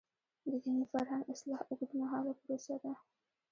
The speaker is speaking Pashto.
د دیني فرهنګ اصلاح اوږدمهاله پروسه ده.